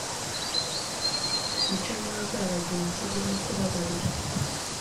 Mico myiza ya bagenzi be no kubababarira